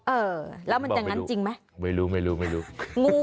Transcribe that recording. เออแล้วมันจากนั้นจริงไหมไม่รู้